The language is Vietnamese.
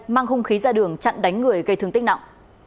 mang hung khí ra đường chặn đánh người gây thương tích nặng